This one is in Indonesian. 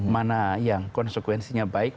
mana yang konsekuensinya baik